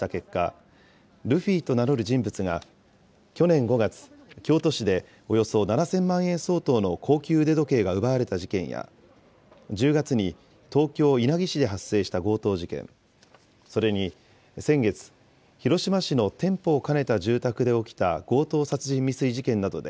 警察当局がすでに逮捕した容疑者の携帯電話を分析するなどした結果、ルフィと名乗る人物が去年５月、京都市でおよそ７０００万円相当の高級腕時計が奪われた事件や、１０月に東京・稲城市で発生した強盗事件、それに先月、広島市の店舗を兼ねた住宅で起きた強盗殺人未遂事件などで、